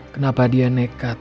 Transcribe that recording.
kenapa dia nekat